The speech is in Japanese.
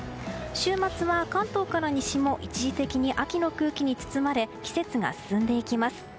週末は、関東から西も一時的に秋の空気に包まれ季節が進んでいきます。